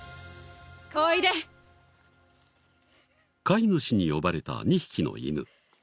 飼い主に呼ばれた２匹の犬。